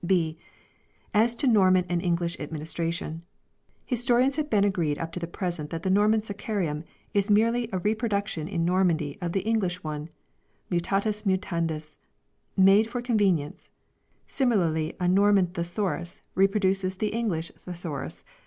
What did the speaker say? . B. As to Norman and English Administration. Historians have been agreed up to the present that the Norman " Scaccarium " is merely a reproduction in Normandy of the English one, mutatis mutandis^ made for convenience ; similarly a Norman " The saurus" reproduces the English "Thesaurus